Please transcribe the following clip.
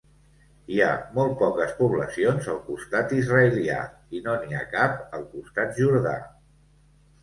Hi ha molt poques poblacions al costat israelià i no n'hi cap al costat jordà.